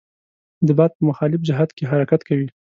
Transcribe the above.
د باد په مخالف جهت کې حرکت کوي.